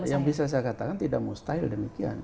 yang bisa saya katakan tidak mustahil demikian